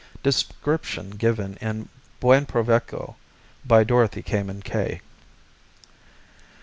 (Description given in Buen Provecho! by Dorothy Kamen Kaye.)